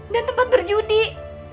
dan tempat berjumpa